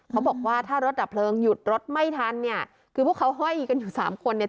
เขาบอกว่าถ้ารถดับเพลิงหยุดรถไม่ทันเนี่ยคือพวกเขาห้อยกันอยู่สามคนเนี่ย